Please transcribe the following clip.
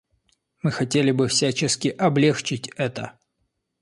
Мы хотели бы всячески облегчить это.